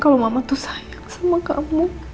kalau mama tuh sayang sama kamu